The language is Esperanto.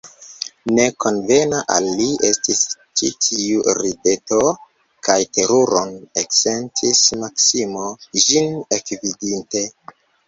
Ne konvena al li estis ĉi tiu rideto, kaj teruron eksentis Maksimo, ĝin ekvidinte.